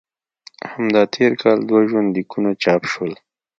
همدا تېر کال دوه ژوند لیکونه چاپ شول.